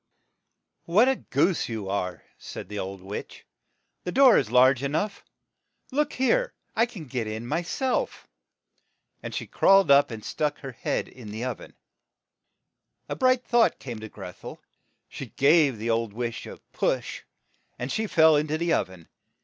1 "What a goose you are," said the old witch, "the door is large e nough. Look here, I can get in my self;" and she HANSEL IN THE CAGE 10 HANSEL AND GRETHEL crawled up and stuck her head in the ov en. A bright thought came to Greth el. She gave the old witch a push, and she fell in to the ov en.